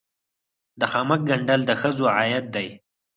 د خامک ګنډل د ښځو عاید دی